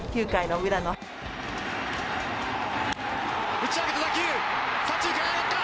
打ち上げた打球左中間へ上がった！